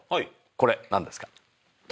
これ何ですか？